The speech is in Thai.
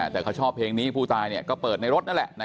แต่เขาชอบเพลงนี้ผู้ตายก็เปิดในรถนั่นแหละ